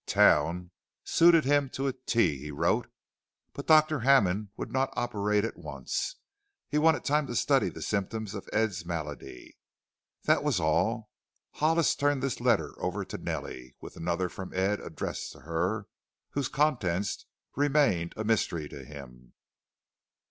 "Town" suited him to a "T," he wrote. But Doctor Hammond would not operate at once he wanted time to study the symptoms of Ed's malady. That was all. Hollis turned this letter over to Nellie, with another from Ed, addressed to her whose contents remained a mystery to him.